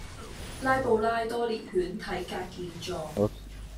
拉布拉多獵犬體格健壯